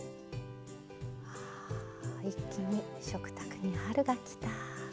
一気に食卓に春が来た！